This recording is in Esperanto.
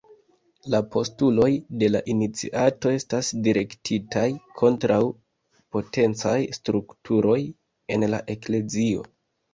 La postuloj de la iniciato estas direktitaj kontraŭ potencaj strukturoj en la eklezio.